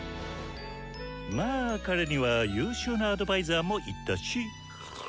まあ彼には優秀なアドバイザーもいたし。